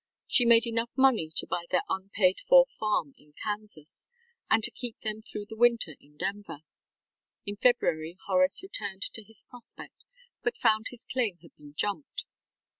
She made enough money to buy their unpaid for farm in Kansas and to keep them through the winter in Denver. In February Horace returned to his prospect but found his claim had been jumped.